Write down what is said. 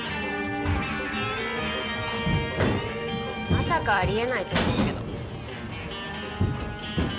まさかありえないと思うけど。